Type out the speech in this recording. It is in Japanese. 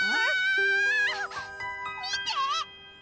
見て！